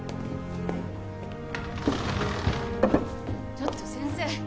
ちょっと先生！